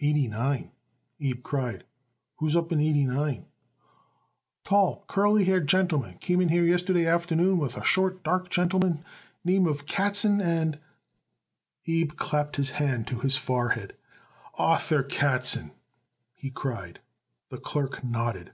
"Eighty nine?" Abe cried. "Who's up in eighty nine?" [Illustration: YOU'RE A FRESH YOUNG FELLER!] "Tall, curly haired gentleman came in here yesterday afternoon with a short, dark gentleman name of Katzen and " Abe clapped his hand to his forehead. "Arthur Katzen!" he cried. The clerk nodded.